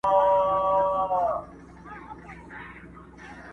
چي خر نه لرې، خر نه ارزې.